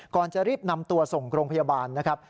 ก่อนจะรีบนำตัวส่งโรงพยาบาลนะครับ